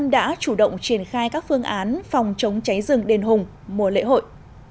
đã chủ động triển khai các phương án phòng chống cháy rừng đền hùng mùa lễ hội